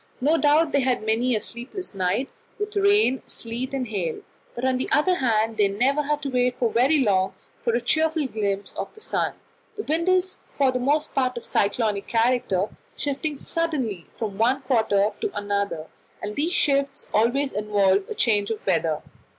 No doubt they had many a sleepless night, with rain, sleet, and hail; but on the other hand they never had to wait very long for a cheerful glimpse of the sun. The wind is for the most part of cyclonic character, shifting suddenly from one quarter to another, and these shifts always involve a change of weather.